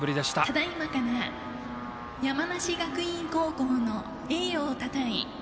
ただいまから山梨学院高校の栄誉をたたえ